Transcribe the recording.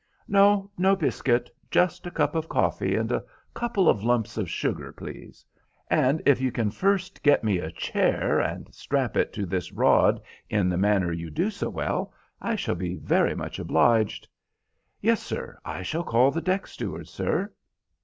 "No, no biscuit. Just a cup of coffee and a couple of lumps of sugar, please; and if you can first get me a chair, and strap it to this rod in the manner you do so well, I shall be very much obliged." "Yes, sir. I shall call the deck steward, sir."